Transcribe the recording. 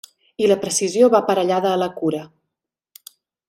I la precisió va aparellada a la cura.